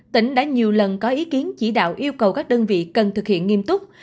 tỉnh đã nhiều lần có ý kiến chỉ đạo yêu cầu các đơn vị cần thực hiện nghiêm túc